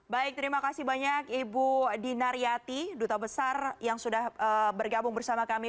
baik terima kasih banyak ibu dinaryati duta besar yang sudah bergabung bersama kami